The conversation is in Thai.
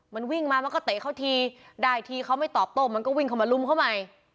มันวิ่งมามันก็เตะเขาทีได้ทีเขาไม่ตอบโต้มันก็วิ่งเข้ามาลุมเขาใหม่